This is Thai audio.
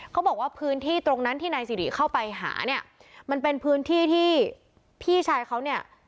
เขาบอกว่าพื้นที่ตรงนั้นที่นายสิริเข้าไปหาเนี่ยมันเป็นพื้นที่ที่พี่ชายเขาเนี่ย